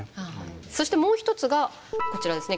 そしてもう一つがこちらですね。